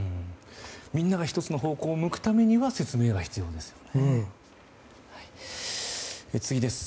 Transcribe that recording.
みんなが１つの方向を向くためには説明が必要ですよね。